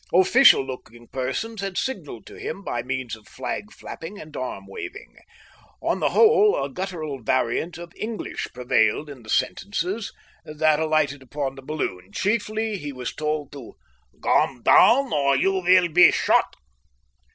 Official looking persons had signalled to him by means of flag flapping and arm waving. On the whole a guttural variant of English prevailed in the sentences that alighted upon the balloon; chiefly he was told to "gome down or you will be shot."